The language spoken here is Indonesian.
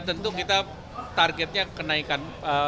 tentu kita targetnya kenaikan